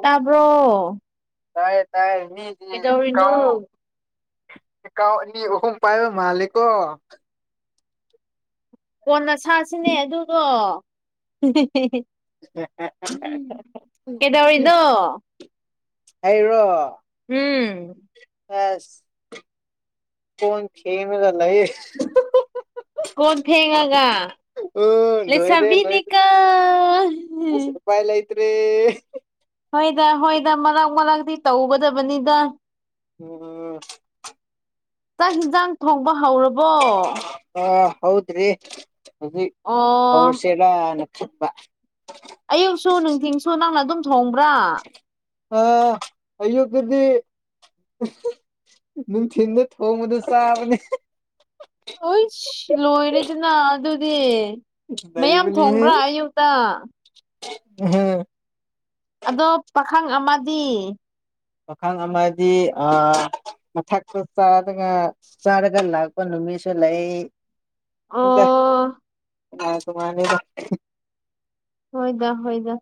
ꯇꯕ꯭ꯔꯣ ꯇꯌꯦ ꯇꯥꯏ ꯃꯤꯗꯤ ꯀꯥꯎ ꯑꯦ ꯀꯥꯎꯟ ꯑꯅꯤ ꯑꯍꯨꯝ ꯄꯥꯏꯕ ꯃꯥꯂꯀꯣ ꯀꯣꯟꯅ ꯁꯥꯁꯤꯅꯦ ꯑꯗꯨꯗꯣ ꯀꯩꯗꯧꯔꯤꯅꯣ ꯑꯩꯔꯣ ꯎꯝ ꯑꯦꯁ ꯀꯣꯟ ꯐꯦꯡꯔꯒ ꯂꯩꯌꯤ ꯀꯣꯟ ꯐꯦꯡꯉꯒ ꯑꯣ ꯂꯣꯏꯔꯦ ꯂꯣꯏꯔꯦ ꯂꯩꯁꯕꯤꯅꯤꯀꯣ ꯇ꯭ꯔꯦ ꯗ ꯍꯣꯏꯗ ꯃꯔꯛ ꯃꯔꯛꯇꯤ ꯇꯧꯒꯗꯕꯅꯤꯗ ꯎꯝ ꯆꯥꯛ ꯍꯤꯡꯖꯥꯡ ꯊꯣꯡꯕ ꯍꯧꯔꯕꯣ ꯑ ꯍꯧꯗ꯭ꯔꯤ ꯍꯧꯖꯤꯛ ꯑꯣ ꯍꯧꯔꯁꯦꯔꯥꯅ ꯈꯟꯕ ꯑꯌꯨꯛꯁꯨ ꯅꯨꯡꯊꯤꯟꯁꯨ ꯅꯪꯅ ꯑꯗꯨꯝ ꯊꯣꯡꯕ꯭ꯔꯥ ꯑ ꯑꯌꯨꯛ ꯗꯗꯤ ꯅꯨꯡꯊꯤꯟꯗ ꯊꯣꯡꯕꯗꯆꯥꯕꯅꯤ ꯑꯨꯏꯁ ꯂꯣꯏꯔꯦꯗꯅ ꯑꯗꯨꯗꯤ ꯃꯌꯥꯝ ꯊꯣꯡꯕ꯭ꯔꯥ ꯑꯌꯨꯛꯇ ꯑꯍꯝ ꯑꯗꯣ ꯄꯥꯈꯪ ꯑꯃꯗꯤ ꯄꯥꯈꯪ ꯑꯃꯗꯤ ꯑ ꯃꯊꯛꯇ ꯆꯥꯔꯒ ꯆꯥꯔꯒ ꯂꯥꯛꯄ ꯅꯨꯃꯤꯠꯁꯨ ꯂꯩ ꯑꯣ [unintelligible] ꯍꯣꯏꯗ ꯍꯣꯏꯗ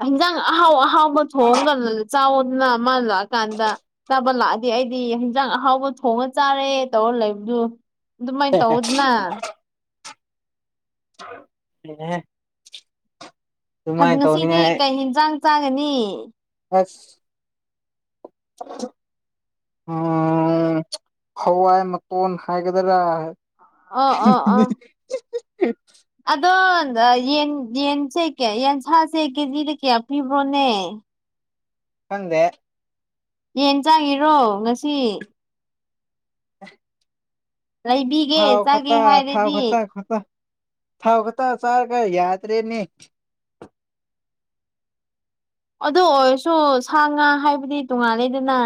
ꯍꯟꯖꯥꯡ ꯑꯍꯥꯎ ꯑꯍꯥꯎꯕ ꯊꯣꯡꯗꯅ ꯆꯥꯎꯗꯅ ꯃ ꯂꯥ ꯀꯥꯟꯗ ꯆꯥꯕ ꯂꯥꯗ ꯑꯗꯨꯗꯤ ꯑꯩꯗꯤ ꯍꯤꯟꯖꯥꯡ ꯑꯍꯥꯎꯕ ꯊꯣꯡꯉ ꯆꯥꯔꯦ ꯇꯧꯔ ꯂꯩꯕꯗꯨ ꯑꯗꯨ ꯃꯥꯏ ꯇꯧꯗꯅ [unintelligible] ꯑꯗꯨ ꯑꯗꯨꯃꯥꯏꯅ ꯉꯁꯤꯗꯤ ꯇꯧꯅꯤꯡꯉꯥꯏ ꯀꯩ ꯍꯦꯟꯖꯥꯡ ꯆꯥꯒꯅꯤ ꯑꯝꯝꯝ ꯍꯋꯥꯏ ꯃꯀꯣꯟ ꯍꯥꯏꯒꯗꯔꯥ ꯑꯣ ꯑꯣ ꯑꯣ ꯑꯗꯣ ꯌꯦꯟ ꯌꯦꯟꯁꯦ ꯀꯌꯥ ꯌꯦꯟꯁꯥꯁꯦ ꯀꯦꯖꯤꯗ ꯀꯌꯥ ꯄꯤꯕ꯭ꯔꯣꯅꯦ ꯈꯪꯗꯦ ꯌꯦꯟ ꯆꯥꯒꯦꯔꯣ ꯉꯁꯤ ꯑ [inaudible] ꯂꯩꯕꯤꯒꯦ ꯊꯥꯎ ꯆꯥꯒꯦ ꯈꯠꯇ ꯊꯥꯎ ꯍꯥꯏꯔꯗꯤ ꯈꯠꯇ ꯈꯠꯇ ꯊꯥꯎ ꯈꯛꯇ ꯆꯥꯔꯒ ꯌꯥꯗ꯭ꯔꯦꯅꯦ ꯑꯗꯨ ꯑꯣꯏꯔꯁꯨ ꯁꯥ ꯉꯥ ꯍꯥꯏꯕꯗꯤ ꯇꯣꯉꯥꯜꯂꯦꯗꯅ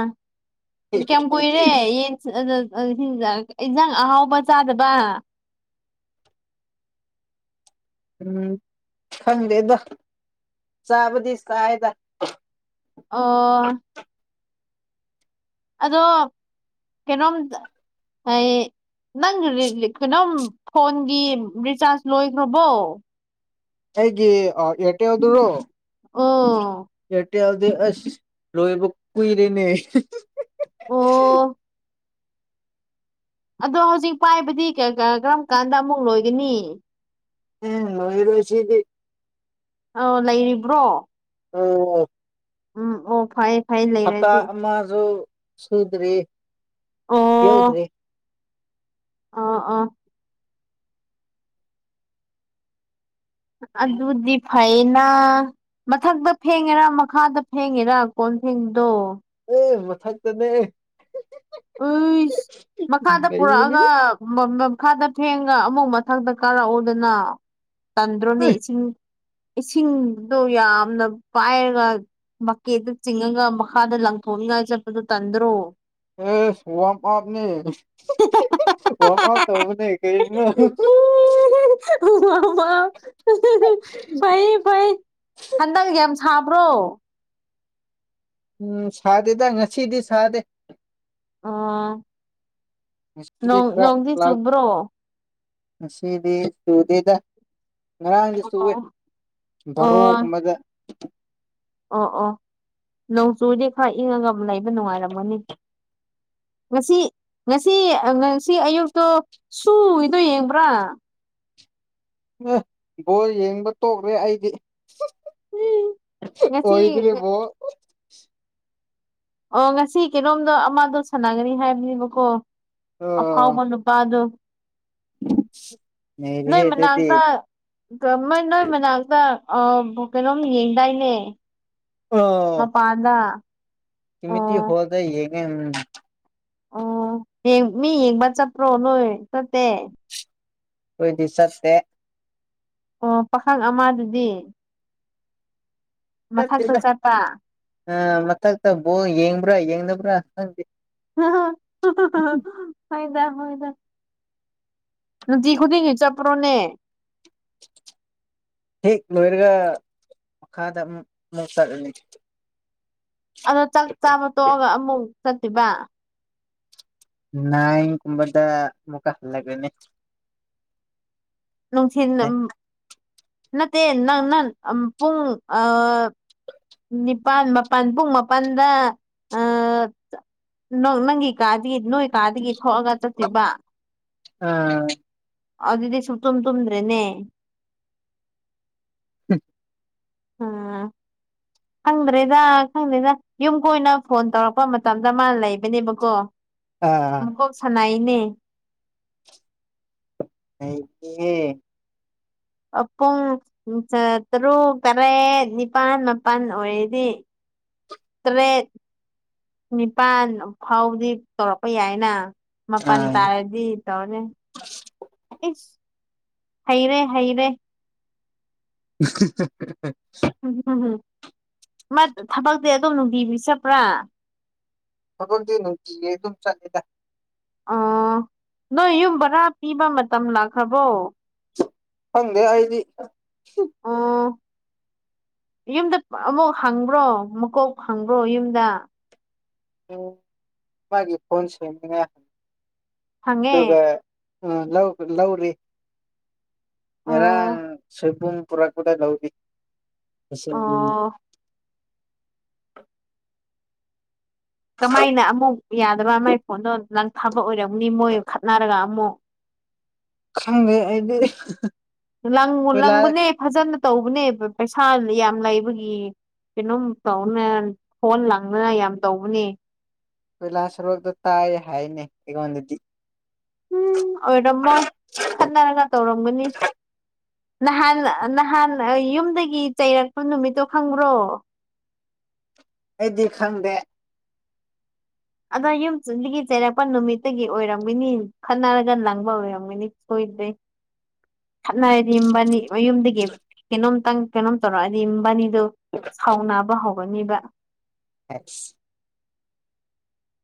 ꯀꯌꯥꯝ ꯀꯨꯏꯔꯦ ꯌꯦꯟ [unintelligible] ꯏꯟꯖꯥꯡ ꯑꯍꯥꯎꯕ ꯆꯥꯗꯕ ꯎꯝ ꯈꯪꯗꯦꯗꯣ ꯆꯥꯕꯗꯤ ꯆꯥꯏꯗ ꯑꯣ ꯑꯗꯣ ꯀꯩꯅꯣꯝ ꯑꯩ ꯅꯪ ꯀꯩꯅꯣꯝ ꯐꯣꯟꯒꯤ ꯔꯤꯆꯥꯔꯖ ꯂꯣꯏꯈ꯭ꯔꯕꯣ ꯑꯩꯒꯤ ꯑ ꯑꯦꯔꯇꯦꯜ ꯗꯨꯔꯣ ꯑꯣ ꯕꯦꯜꯗꯤ ꯑꯁ ꯂꯣꯏꯕ ꯀꯨꯏꯔꯅꯦ ꯑꯣ ꯑꯗꯣ ꯍꯧꯖꯤꯛ ꯄꯥꯏꯕꯗꯤ ꯀꯔꯝ ꯀꯥꯟꯗ ꯑꯃꯨꯛ ꯂꯣꯏꯒꯅꯤ ꯎꯝ ꯂꯣꯏꯔꯔꯣꯏꯁꯤꯗꯤ ꯑꯧ ꯂꯩꯔꯤꯕ꯭ꯔꯣ ꯑꯣ ꯎꯝ ꯑꯣ ꯐꯩ ꯐꯩ ꯍꯞꯇꯥ ꯂꯩꯔꯗꯤ ꯑꯃꯁꯨ ꯁꯨꯗ꯭ꯔꯔꯤ ꯌꯧꯗ꯭ꯔꯤ ꯑ ꯑꯥ ꯑꯗꯨꯗꯤ ꯐꯩꯅ ꯃꯊꯛꯇ ꯐꯦꯡꯉꯦꯔꯥ ꯃꯈꯥꯗ ꯐꯦꯡꯉꯦꯔꯥ ꯀꯣꯟꯁꯤꯡꯗꯣ ꯍꯦ ꯃꯊꯛꯇꯅꯦ ꯎꯏꯁ ꯃꯈꯥꯗ ꯂꯩꯕꯅꯤ ꯄꯨꯔꯛꯑꯒ [unintelligible] ꯃꯈꯥꯗ ꯐꯦꯡꯉ ꯑꯃꯨ ꯃꯊꯛꯇ ꯀꯥꯔꯛꯎꯗꯅ ꯇꯟꯗ꯭ꯔꯣꯅꯦ ꯏꯁꯤꯡ ꯏꯁꯤꯡꯗꯣ ꯌꯥꯝꯅ ꯄꯥꯏꯔꯒ ꯃꯀꯦꯠꯇ ꯆꯤꯡꯉꯒ ꯃꯈꯥꯗ ꯂꯪꯊꯣꯛꯅꯤꯉꯥꯏ ꯆꯠꯄꯗꯨ ꯇꯟꯗ꯭ꯔꯣ ꯑꯦ ꯋꯥꯝ ꯑꯥꯎꯠꯅꯤ ꯋꯥꯛ ꯑꯥꯎꯠ ꯇꯧꯕꯅꯦ ꯀꯔꯤꯅꯣ [unintelligible] ꯐꯩ ꯐꯩ ꯍꯟꯗꯒ ꯁꯥꯕ꯭ꯔꯣ ꯎꯝ ꯁꯥꯗꯦꯗ ꯉꯁꯤꯗꯤ ꯁꯥꯗꯦ ꯑ ꯉꯁꯤꯗꯤ ꯅꯣꯡ ꯈꯔ ꯅꯣꯡꯗꯤ ꯂꯥꯛ ꯆꯨꯝꯕ꯭ꯔꯣ ꯉꯁꯤꯗꯤ ꯆꯨꯗꯦꯗ ꯉꯔꯥꯡꯁꯤ ꯆꯨꯋꯦ ꯑꯣ ꯕꯔꯣꯒꯨꯝꯕꯗ ꯑꯣ ꯑꯣ ꯅꯣꯡ ꯆꯨꯔꯗꯤ ꯈꯔ ꯏꯪꯉꯒ ꯑꯃ ꯂꯩꯕ ꯅꯨꯡꯉꯥꯏꯔꯝꯒꯅꯤ ꯉꯁꯤ ꯉꯁꯤ ꯉꯁꯤ ꯑꯌꯨꯛꯇꯣ ꯁꯨꯔꯤꯗꯣ ꯌꯦꯡꯕ꯭ꯔꯥ ꯑꯦ ꯕꯣꯔ ꯌꯦꯡꯕ ꯇꯣꯛꯂꯦ ꯑꯩꯗꯤ ꯎꯝ ꯉꯁꯤ ꯑꯣꯏꯗ꯭ꯔꯦ ꯕꯣ ꯑꯣ ꯉꯁꯤ ꯀꯩꯅꯣꯝꯗꯣ ꯑꯃꯗꯣ ꯁꯥꯟꯅꯒꯅꯤ ꯍꯥꯏꯕꯅꯦꯕꯀꯣ ꯑꯣ ꯑꯐꯥꯎꯕ ꯅꯨꯄꯥꯗꯨ ꯅꯣꯏ ꯅꯩꯔꯦꯍꯦ ꯑꯗꯨꯗꯤ ꯃꯅꯥꯛꯇ ꯀꯃ ꯅꯣꯏ ꯃꯅꯥꯛꯇ ꯑ ꯕ ꯀꯩꯅꯣꯝ ꯌꯦꯡꯗꯥꯏꯅꯦ ꯑꯣ ꯃꯄꯥꯥꯟꯗ ꯀꯃꯤꯇꯤ ꯍꯣꯜꯗ ꯌꯦꯡꯉꯦ ꯎꯝ ꯑꯣ ꯃꯤ ꯌꯦꯡꯕ ꯆꯠꯄꯔꯣ ꯅꯣꯏ ꯆꯠꯇꯦ ꯈꯣꯏꯗꯤ ꯆꯠꯇꯦ ꯑꯣ ꯄꯥꯈꯪ ꯑꯃꯗꯨꯗꯤ ꯃꯊꯛꯇ ꯆꯠꯇꯦꯗ ꯆꯠꯄ ꯑ ꯃꯊꯛ ꯇ ꯕꯣꯜ ꯌꯦꯡꯕ꯭ꯔꯥ ꯌꯦꯡꯗꯕ꯭ꯔꯥ ꯈꯪꯗꯤ ꯐꯩꯗ ꯍꯣꯏꯗ ꯅꯨꯡꯇꯤ ꯈꯨꯗꯤꯡꯒꯤ ꯆꯄ꯭ꯔꯣꯅꯦ ꯍꯦꯛ ꯂꯣꯏꯔꯒ ꯃꯈꯥꯗ ꯑꯃꯨꯛ ꯑꯃꯨꯛ ꯆꯠꯂꯅꯤ ꯑꯗꯣ ꯆꯥꯛ ꯆꯥꯕ ꯇꯣꯛꯑꯒ ꯑꯃꯨꯛ ꯆꯠꯇꯕ ꯅꯥꯏꯟ ꯒꯨꯝꯕꯗ ꯃꯨꯛꯀ ꯍꯠꯂꯛꯒꯦꯅꯦ ꯅꯨꯡꯊꯤꯟ ꯑꯝ ꯅꯠꯇꯦ ꯅꯪ ꯅꯪ ꯑꯝ ꯄꯨꯡ ꯑꯥ ꯄꯥꯥꯟ ꯃꯥꯄꯟ ꯄꯨꯡ ꯃꯥꯄꯟꯗ ꯑꯥ ꯅꯣ ꯅꯪꯒꯤ ꯀꯥꯗꯤ ꯅꯣꯏ ꯀꯥꯗꯒꯤ ꯊꯣꯛꯑꯒ ꯆꯠꯇꯣꯏꯕ ꯑꯥ ꯑꯗꯨꯗꯤ ꯁꯨꯛꯇꯨꯝ ꯇꯨꯝꯗ꯭ꯔꯦꯅꯦ ꯍꯝ ꯑꯣ ꯈꯪꯗ꯭ꯔꯦꯗ ꯈꯪꯗ꯭ꯔꯦꯗ ꯌꯨꯝ ꯀꯣꯏꯅ ꯐꯣꯟ ꯇꯧꯔꯛꯄ ꯃꯇꯝꯗ ꯃꯥ ꯂꯩꯕꯅꯦꯕꯀꯣ ꯑꯥ ꯃꯀꯣꯛ ꯁꯥꯟꯅꯩꯅꯦ ꯂꯩꯇꯤꯌꯦ ꯑꯥ ꯄꯨꯡ ꯇꯔꯨꯛ ꯇꯔꯦꯠ ꯅꯤꯄꯥꯟ ꯃꯥꯄꯟ ꯑꯣꯏꯔꯗꯤ ꯇꯔꯦꯠ ꯅꯤꯄꯥꯟ ꯐꯥꯎꯕꯗꯤ ꯇꯧꯔꯛꯄ ꯌꯥꯏꯅ ꯃꯄꯥꯟ ꯑꯥ ꯇꯥꯔꯗꯤ ꯇꯧꯔꯦ ꯏꯁ ꯍꯩꯔꯦ ꯍꯩꯔꯦ [unintelligible] ꯎꯝ ꯍꯝ ꯍꯝ ꯃꯥ ꯊꯕꯛꯇꯤ ꯑꯗꯨꯝ ꯅꯨꯡꯇꯤꯒꯤ ꯆꯠꯄ꯭ꯔꯥ ꯊꯕꯛꯇꯤ ꯅꯨꯡꯇꯤꯒꯤ ꯑꯗꯨꯝ ꯆꯠꯂꯦꯗ ꯑꯣ ꯅꯣꯏ ꯌꯨꯝ ꯕꯔꯥ ꯄꯤꯕ ꯃꯇꯝ ꯂꯥꯛꯈ꯭ꯔꯕꯣ ꯈꯪꯗꯦ ꯑꯩꯗꯤ ꯑꯣ ꯌꯨꯝꯗ ꯑꯃꯨꯛ ꯍꯪꯕ꯭ꯔꯣ ꯃꯀꯣꯛ ꯍꯪꯕ꯭ꯔꯣ ꯌꯨꯝꯗ ꯎꯝ ꯃꯥꯒꯤ ꯐꯣꯟ ꯁꯦꯝꯅꯤꯡꯉꯥꯏ ꯍꯪꯉꯦ ꯑꯗꯨꯒ ꯎꯝ ꯂꯧ ꯂꯧꯔꯤ ꯉꯔꯥꯡ ꯑꯣ ꯁꯣꯏꯕꯨꯝ ꯄꯨꯔꯛꯄꯗ ꯂꯧꯗꯤ ꯃꯁꯤꯡꯗꯤ ꯑꯣ ꯀꯃꯥꯏꯅ ꯑꯃꯨꯛ ꯌꯥꯗꯕ ꯃꯥꯏ ꯐꯣꯟꯗꯣ ꯂꯪ ꯊꯥꯕ ꯑꯣꯏꯔꯝꯅꯤ ꯃꯣꯏ ꯈꯠꯅꯔꯒ ꯑꯃꯨꯛ ꯈꯪꯗꯦ ꯑꯩꯗꯤ ꯂꯪ ꯀꯣꯏꯂꯥ ꯂꯪꯕꯅꯦ ꯐꯖꯅ ꯇꯧꯕꯅꯦ ꯄꯩꯁꯥ ꯌꯥꯝ ꯂꯩꯕꯒꯤ ꯀꯩꯅꯣꯝ ꯇꯧꯅꯦ ꯐꯣꯟ ꯂꯪꯅ ꯌꯥꯝ ꯇꯧꯕꯅꯦ ꯈꯣꯏꯂꯥ ꯁꯣꯔꯣꯛꯇ ꯇꯥꯏꯌꯦ ꯍꯥꯏꯅꯦ ꯑꯩꯉꯣꯟꯗꯗꯤ ꯎꯝ ꯑꯣꯏꯔꯝꯃꯣꯏ ꯈꯠꯅꯔꯒ ꯇꯧꯔꯝꯒꯅꯤ ꯅꯍꯥꯟ ꯅꯍꯥꯟ ꯌꯨꯝꯗꯒꯤ ꯆꯩꯔꯛꯄ ꯅꯨꯃꯤꯠꯇꯣ ꯈꯪꯕ꯭ꯔꯣ ꯑꯩꯗꯤ ꯈꯪꯗꯦ ꯑꯗ ꯌꯨꯝꯗꯒꯤ ꯆꯩꯔꯛꯄ ꯅꯨꯃꯤꯠꯇꯒꯤ ꯑꯣꯏꯔꯝꯒꯅꯤ ꯈꯠꯅꯔꯒ ꯂꯪꯕ ꯑꯣꯏꯔꯝꯒꯅꯤ [unintelligible] ꯈꯠꯅꯔꯗꯤ ꯏꯕꯥꯅꯤ ꯃꯌꯨꯝꯗꯒꯤ ꯀꯩꯅꯣꯝꯇꯪ ꯀꯩꯅꯣꯝ ꯇꯧꯔꯛꯑꯗꯤ ꯃꯕꯥꯅꯤ ꯗꯣ ꯁꯥꯎꯅꯕ ꯍꯧꯒꯅꯤꯕ [unintelligible]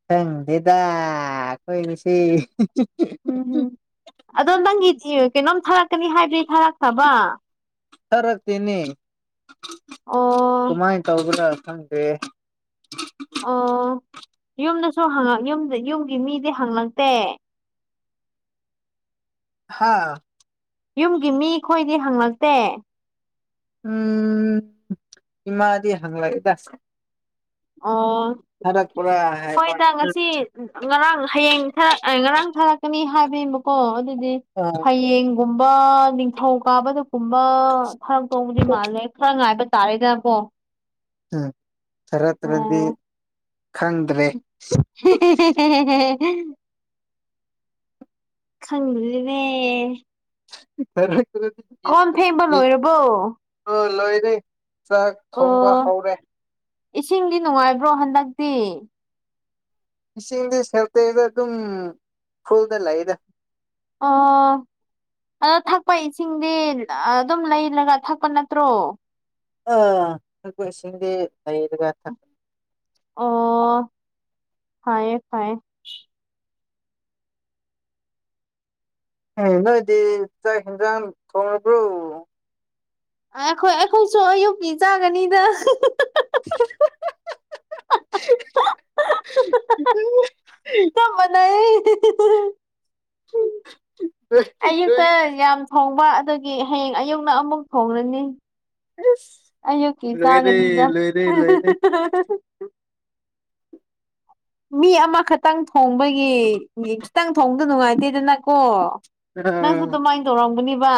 ꯈꯪꯗꯦꯗ ꯀꯣꯏꯒꯤꯁꯤ ꯎꯝ ꯍꯝ ꯑꯗꯣ ꯅꯪꯒꯤ ꯀꯩꯅꯣꯝ ꯊꯥꯔꯛꯀꯅꯤ ꯍꯥꯏꯕꯗꯤ ꯊꯥꯔꯛꯈ꯭ꯔꯕ ꯊꯔꯛꯇꯦꯅꯦ ꯑꯣ ꯀꯃꯥꯏꯅ ꯇꯧꯕꯅꯣ ꯈꯪꯗꯔꯦ ꯑꯣ ꯌꯨꯝꯗꯁꯨ ꯌꯨꯝꯒꯤ ꯃꯤꯗꯤ ꯍꯉꯛꯇꯦ ꯍꯥꯥ ꯌꯨꯝꯒꯤ ꯃꯤ ꯈꯣꯏꯗꯤ ꯍꯪꯂꯛꯇꯦ ꯎꯝ ꯏꯃꯥꯗꯤ ꯍꯪ ꯂꯛꯏꯗ ꯑꯣ ꯍꯥꯏꯕ ꯍꯣꯏꯗ ꯉꯁꯤ ꯉꯔꯥꯡ ꯍꯌꯦꯡ ꯉꯔꯥꯡ ꯊꯥꯔꯛꯀꯅꯤ ꯍꯥꯏꯕꯤꯃꯀꯣ ꯑꯗꯨꯗꯤ ꯑ ꯍꯌꯦꯡꯒꯨꯝꯕ ꯅꯤꯡꯊꯧ ꯀꯥꯕꯗꯀꯨꯝꯕ ꯈꯔ ꯇꯣꯡꯧꯕꯗꯤ ꯃꯥꯜꯂꯦ ꯈꯔ ꯉꯥꯏꯕ ꯇꯥꯔꯦꯗꯅꯀꯣ ꯎꯝ ꯈꯔꯠꯇ꯭ꯔꯗꯤ ꯈꯪꯗ꯭ꯔꯦ ꯈꯪꯗ꯭ꯔꯦꯅꯦ ꯈꯔ ꯈꯔꯗꯤ ꯌꯦ ꯂꯣꯏꯔꯕꯣ ꯂꯣꯏꯔꯦ ꯆꯥꯛ ꯊꯣꯡꯕ ꯑꯣ ꯍꯧꯔꯦ ꯏꯁꯤꯡꯗꯤ ꯅꯨꯡꯉꯥꯏꯕ꯭ꯔꯣ ꯍꯟꯗꯛꯇꯤ ꯏꯁꯤꯡꯗꯤ ꯁꯦꯜꯇꯩꯗ ꯑꯗꯨꯝ ꯐꯨꯜꯗ ꯂꯩꯗ ꯑꯥ ꯑꯗꯣ ꯊꯛꯄ ꯏꯁꯤꯡꯗꯤ ꯑꯗꯨꯝ ꯂꯩꯔꯒ ꯊꯛꯄ ꯅꯠꯇ꯭ꯔꯣ ꯑꯥ ꯊꯛꯄ ꯏꯁꯤꯡꯗꯤ ꯂꯩꯔꯒ ꯊꯛꯀꯅꯤ ꯑꯣ ꯍꯥꯏꯌꯦ ꯐꯌꯦ ꯅꯣꯏꯗꯤ ꯆꯥꯛ ꯍꯦꯟꯖꯥꯡ ꯊꯣꯡꯉꯕꯔꯣ ꯑꯩꯈꯣꯏ ꯑꯩꯈꯣꯏꯁꯨ ꯑꯌꯨꯛꯀꯤ ꯆꯥꯒꯅꯤꯗ ꯍꯥꯍꯥ ꯍꯥ ꯑꯩ ꯑꯌꯨꯛꯇ ꯌꯥꯝ ꯊꯣꯡꯕ ꯑꯗꯨꯗꯒꯤ ꯍꯌꯦꯡ ꯑꯌꯨꯛꯅ ꯑꯃꯨꯛ ꯊꯣꯡꯂꯅꯤ ꯑꯌꯨꯀꯤ ꯂꯣꯏꯔꯦ ꯆꯥꯒꯅꯤꯗ ꯂꯣꯏꯔꯦ ꯂꯣꯏꯔꯦ ꯃꯤ ꯑꯃꯈꯛꯇꯪ ꯊꯣꯡꯕꯒꯤ ꯈꯤꯇꯪ ꯊꯣꯡꯕꯗ ꯅꯨꯡꯉꯥꯏꯇꯦꯗꯅꯀꯣ ꯅꯪꯁꯨ ꯑꯥ ꯑꯗꯨꯃꯥꯏꯅ ꯇꯧꯔꯝꯒꯅꯤꯕ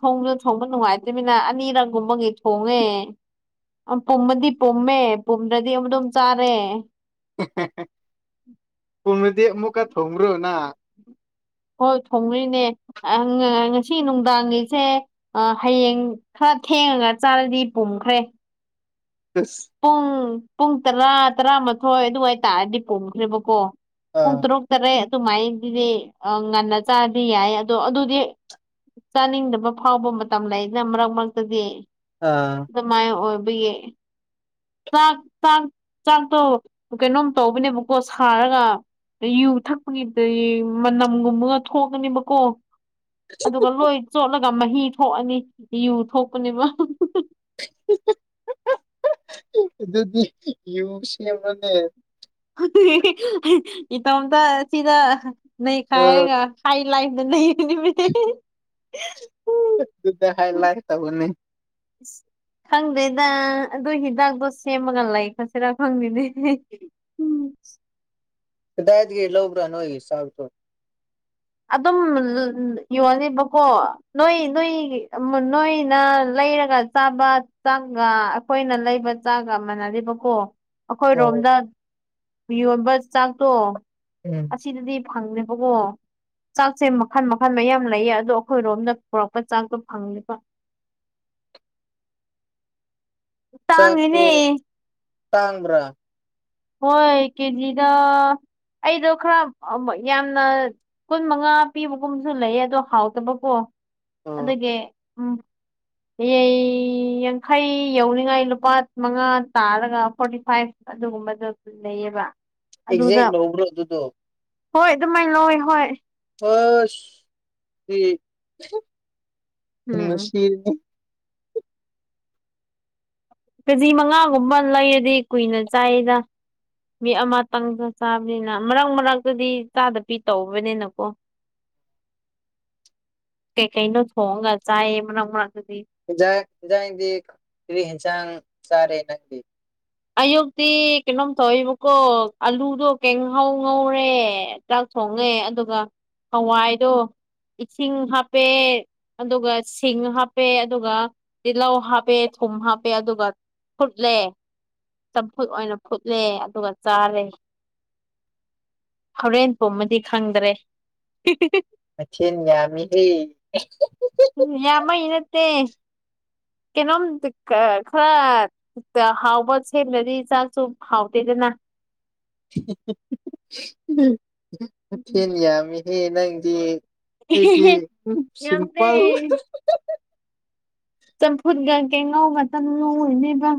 ꯊꯣꯡꯗꯨ ꯊꯣꯡꯕ ꯅꯨꯡꯉꯥꯏꯇ꯭ꯃꯤꯅ ꯑꯅꯤꯔꯛꯒꯨꯝꯕꯒꯤ ꯊꯣꯡꯉꯦ ꯄꯨꯝꯃꯗꯤ ꯄꯨꯝꯃꯦ ꯄꯨꯝꯗ꯭ꯔꯗꯤ ꯑꯗꯨꯝ ꯆꯥꯔꯦ ꯄꯨꯝꯔꯗꯤ ꯃꯨꯛꯀꯥ ꯊꯨꯨꯡꯕ꯭ꯔꯣ ꯅꯪ ꯍꯣꯏ ꯊꯣꯡꯔꯤꯅꯦ ꯉꯁꯤ ꯅꯨꯡꯗꯥꯡꯒꯤꯁꯦ ꯍꯌꯦꯡ ꯈꯔ ꯊꯦꯡꯉꯒ ꯆꯥꯔꯗꯤ ꯄꯨꯝꯈ꯭ꯔꯦ ꯑꯁ ꯄꯨꯡ ꯄꯨꯡ ꯇꯔꯥ ꯇꯔꯥꯃꯥꯊꯣꯏ ꯑꯗꯨꯋꯥꯏ ꯇꯥꯔꯗꯤ ꯄꯣꯝꯈ꯭ꯔꯦꯕꯀꯣ ꯄꯨꯡ ꯑꯥ ꯇꯔꯨꯛ ꯇꯔꯦꯠ ꯑꯗꯨꯃꯥꯏꯅꯗꯨꯗꯤ ꯉꯟꯅ ꯆꯥꯗꯤ ꯌꯥꯏ ꯑꯗꯣ ꯑꯗꯨꯗꯤ ꯆꯥꯅꯤꯡꯗꯕ ꯐꯥꯎꯕ ꯃꯇꯝ ꯂꯩꯅ ꯃꯔꯛ ꯃꯔꯛꯇꯗꯤ ꯑꯥ ꯑꯗꯃꯥꯢ ꯑꯣꯏꯕꯒꯤ ꯆꯥꯛ ꯆꯥꯛ ꯆꯥꯛꯇꯣ ꯀꯩꯅꯣꯝ ꯇꯧꯕꯅꯦꯕꯀꯣ ꯁꯥꯔꯒ ꯑꯗ ꯌꯨ ꯊꯛꯄꯒꯤꯗꯤ ꯃꯅꯝꯒꯨꯝꯕꯒ ꯊꯣꯛꯀꯅꯦꯕꯀꯣ ꯑꯗꯨꯒ ꯂꯣꯏ ꯆꯣꯠꯂꯒ ꯃꯍꯤ ꯊꯣꯛꯑꯅꯤ ꯌꯨ ꯊꯣꯛꯄꯅꯦꯕ ꯑꯗꯨꯗꯤ ꯌꯨ ꯁꯦꯝꯕꯅꯦ ꯏꯇꯣꯝꯇ ꯁꯤꯗ ꯑꯥ ꯅꯩꯈꯥꯏꯔꯒ ꯍꯥꯏ ꯂꯥꯏꯟꯅ [unintelligible] ꯑꯗꯨꯗ ꯍꯥꯢ ꯂꯥꯢꯠ ꯇꯧꯕꯅꯤ ꯏꯁ ꯈꯪꯗꯦꯗ ꯑꯗꯨ ꯍꯤꯗꯥꯛꯇꯣ ꯁꯦꯝꯃꯒ ꯂꯩ ꯈꯔꯁꯤꯔꯥ ꯈꯪꯗꯦꯅꯦ ꯎ [inaudible] ꯀꯗꯥꯏꯗꯩ ꯂꯧꯕꯔ ꯅꯣꯏꯒꯤ ꯆꯥꯛꯇꯣ ꯑꯗꯨꯝ ꯌꯣꯜꯂꯤꯕꯀꯣ ꯅꯣꯏ ꯅꯣꯏ ꯅꯣꯏꯅ ꯂꯩ ꯂꯩꯩꯔꯒ ꯆꯥꯕ ꯆꯥꯡꯒ ꯑꯩꯈꯣꯏꯅ ꯂꯩꯕ ꯆꯥꯒ ꯃꯅꯗꯦꯕꯀꯣ ꯑꯣ ꯑꯈꯣꯏꯔꯣꯝꯗ ꯌꯣꯟꯕ ꯆꯥꯛꯇꯣ ꯎꯝ ꯑꯁꯤꯗꯗꯤ ꯐꯪꯗꯦꯕꯀꯣ ꯆꯥꯛꯁꯦ ꯃꯈꯜ ꯃꯈꯜ ꯃꯌꯥꯝ ꯂꯩꯌꯦ ꯑꯗꯣ ꯑꯈꯣꯏꯔꯣꯝꯗ ꯄꯨꯔꯛꯄ ꯆꯥꯛꯇꯣ ꯐꯪꯗꯕ [inaudible] ꯆꯥꯛꯇꯣ ꯇꯥꯡꯉꯦꯅꯦ ꯇꯥꯡꯕ꯭ꯔꯥ ꯍꯣꯏ ꯀꯦꯖꯤꯗ ꯑꯩꯗꯣ ꯈꯔ ꯑ ꯌꯥꯝꯅ ꯀꯨꯟ ꯃꯉꯥ ꯄꯤꯕꯒꯨꯝꯁꯨ ꯂꯩꯌꯦ ꯑꯗꯣ ꯍꯥꯎꯇꯕꯀꯣ ꯑꯗꯒꯤ [inaudible] ꯌꯩ ꯌꯥꯡꯈꯩ ꯌꯧꯅꯤꯡꯉꯥꯏ ꯂꯨꯄꯥ ꯃꯉꯥ ꯇꯥꯔꯒ ꯐꯣꯔꯇꯤ ꯐꯥꯏꯚ ꯑꯗꯨꯒꯨꯝꯕꯗꯣ ꯂꯩꯌꯦꯕ ꯑꯦꯛꯖꯦꯛ ꯑꯗꯨꯗ ꯂꯧꯕ꯭ꯔꯣ ꯑꯗꯨꯗꯣ ꯍꯣꯏ ꯑꯗꯨꯃꯥꯏꯅ ꯂꯧꯋꯦ ꯍꯣꯏ ꯑꯁ ꯁꯤ ꯎꯝ [unintelligible] ꯀꯦꯖꯤ ꯃꯉꯥꯒꯨꯝꯕ ꯂꯩꯔꯗꯤ ꯀꯨꯏꯅ ꯆꯥꯏꯗ ꯃꯤ ꯑꯃꯇꯪꯗ ꯆꯥꯕꯅꯤꯅ ꯃꯔꯛ ꯃꯔꯛꯇꯗꯤ ꯆꯥꯗ ꯄꯤ ꯇꯧꯕꯅꯤꯅꯀꯣ [inaudible] ꯀꯩ ꯀꯩꯅꯣ ꯊꯣꯡꯉꯒ ꯆꯥꯏꯌꯦ ꯃꯔꯛ ꯃꯔꯛ ꯑꯦꯟꯖꯥꯡ ꯍꯦꯟꯖꯥꯡꯗꯤ ꯀꯔꯤ ꯍꯦꯟꯁꯥꯡ ꯆꯥꯔꯦ ꯅꯪꯗꯤ ꯑꯌꯨꯛꯇꯤ ꯀꯩꯅꯣꯝ ꯇꯧꯋꯦꯕꯀꯣ ꯑꯂꯨꯗꯣ ꯀꯦꯉꯧ ꯉꯧꯔꯦ ꯆꯥꯛ ꯊꯣꯡꯉꯦ ꯑꯗꯨꯒ ꯍꯋꯥꯏꯗꯣ ꯏꯁꯤꯡ ꯍꯥꯞꯄꯦ ꯑꯗꯨꯒ ꯁꯤꯡ ꯍꯥꯞꯄꯦ ꯑꯗꯨꯒ ꯇꯤꯜꯍꯧ ꯍꯥꯞꯄꯦ ꯊꯨꯝ ꯍꯥꯞꯄꯦ ꯑꯗꯨꯒ ꯐꯨꯠꯂꯦ ꯆꯝꯐꯨꯠ ꯑꯣꯏꯅ ꯐꯨꯠꯂꯦ ꯑꯗꯨꯒ ꯆꯥꯔꯦ ꯍꯣꯔꯦꯟ ꯄꯨꯝꯃꯗꯤ ꯈꯪꯗ꯭ꯔꯦ ꯍꯤꯍꯤ ꯃꯊꯦꯟ ꯌꯥꯝꯃꯤꯍꯦ ꯑꯦꯍꯦ ꯇꯦ ꯀꯦꯅꯣꯝꯗ ꯈꯔ ꯍꯥꯎꯕ ꯁꯦꯝꯅꯗꯤ ꯆꯥꯛꯁꯨ ꯍꯥꯎꯇꯦꯗꯅ ꯑ ꯑꯍ ꯃꯊꯦꯟ ꯌꯥꯝꯃꯤꯍꯦ ꯅꯪꯗꯤ ꯑꯩꯗꯤ ꯌꯥꯝꯗꯦ ꯁꯤꯝꯄꯜ ꯆꯝꯐꯨꯠꯒ ꯀꯦꯉꯧꯒ ꯈꯇꯪ ꯉꯧꯕꯅꯦꯗ